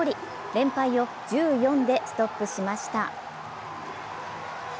連敗を１４でストップしました。